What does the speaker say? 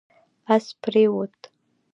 اس پرېووت